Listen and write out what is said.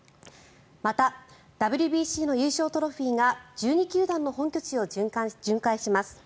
また、ＷＢＣの優勝トロフィーが１２球団の本拠地を巡回します。